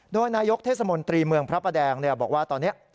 โดยนายกเทศมนตรีเมืองพระประแดงบอกว่าตอนนี้